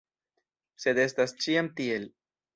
Sed estas ĉiam tiel.